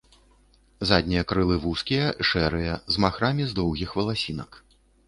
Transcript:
Заднія крылы вузкія, шэрыя, з махрамі з доўгіх валасінак.